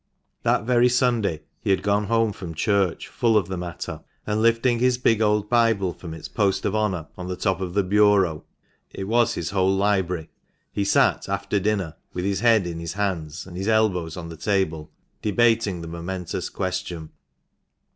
That very Sunday he had gone home from church full of the matter, and lifting his big old Bible from its post of honour on the top of the bureau (it was his whole library), he sat, after dinner, with his head in his hands and his elbows on the table, debating the momentous question.